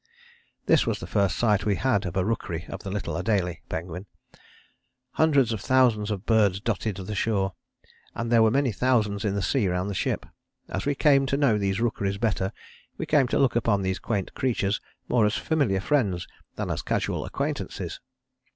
This was the first sight we had of a rookery of the little Adélie penguin. Hundreds of thousands of birds dotted the shore, and there were many thousands in the sea round the ship. As we came to know these rookeries better we came to look upon these quaint creatures more as familiar friends than as casual acquaintances.